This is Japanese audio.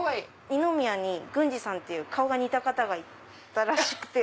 二宮にグンジさんっていう顔が似た方がいたらしくて。